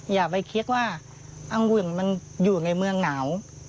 อย่าไปคิดว่าอังุ่นมันอยู่ในเมืองหนาว